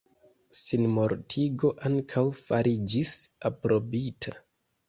Sinmortigo ankaŭ fariĝis aprobita.